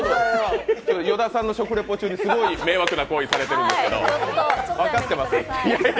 与田さんの食レポ中にすごい迷惑な行為をされているんけですけど、分かってます？